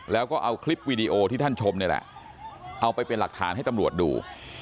แล้วก็เอาคลิปวีดีโอที่ท่านชมนี่แหละเอาไปเป็นหลักฐานให้ตำรวจดู